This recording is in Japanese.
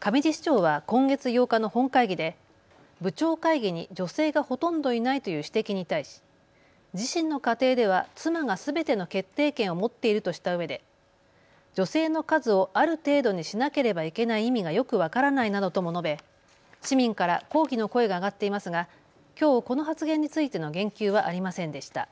上地市長は今月８日の本会議で部長会議に女性がほとんどいないという指摘に対し自身の家庭では妻がすべての決定権を持っているとしたうえで女性の数をある程度にしなければいけない意味がよく分からないなどとも述べ市民から抗議の声が上がっていますがきょうこの発言についての言及はありませんでした。